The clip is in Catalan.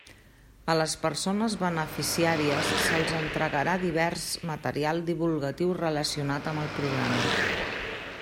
A les persones beneficiàries se'ls entregarà divers material divulgatiu relacionat amb el programa.